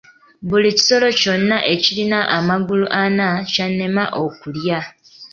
Buli kisolo kyonna ekirina amagulu ana kyannema okulya.